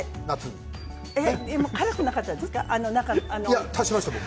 辛くなかったですか？